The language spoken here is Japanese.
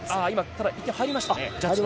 ただ、今１点入りましたね。